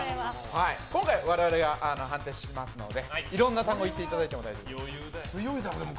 今回、我々が判定しますのでいろんな単語言っていただいて大丈夫です。